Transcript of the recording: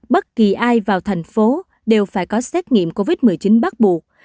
bất kỳ ai vào thành phố đều phải có xét nghiệm covid một mươi chín bắt buộc